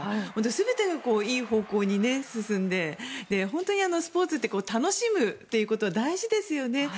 全てがいい方向に進んで本当にスポーツって楽しむことは大事ですよね。